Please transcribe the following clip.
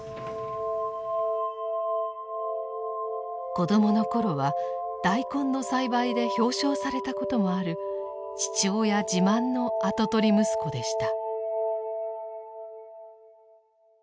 子供の頃は大根の栽培で表彰されたこともある父親自慢の跡取り息子でした。